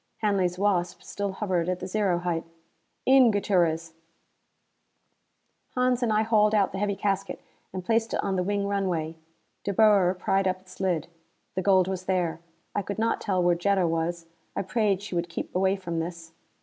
Hanley's Wasp still hovered at the zero height. "In, Gutierrez." Hans and I hauled out the heavy casket and placed it on the wing runway. De Boer pried up its lid. The gold was there. I could not tell where Jetta was; I prayed she would keep away from this.